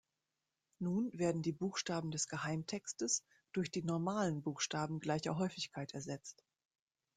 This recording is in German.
Nun werden die Buchstaben des Geheimtextes durch die "normalen" Buchstaben gleicher Häufigkeit ersetzt.